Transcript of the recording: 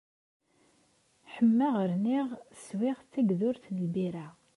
Ḥemmeɣ rniɣ swiɣ tagdurt n lbira.